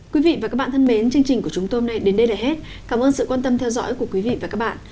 quý vị và các bạn thân mến chương trình của chúng tôi đến đây là hết cảm ơn sự quan tâm theo dõi của quý vị và các bạn